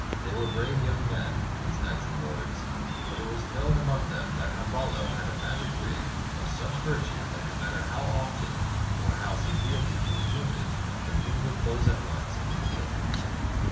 They were brave young men, these knights and lords; but it was known among them that Camballo had a magic ring of such virtue that no matter how often or how se verely he was wounded, the wound would close at once and heal.